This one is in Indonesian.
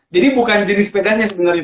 jadi bukan jenis sepedanya sebenernya